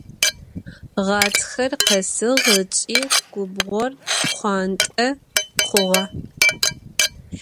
Ğatxer khesığ ıç'i gubğor şşxhuant'e xhuğe.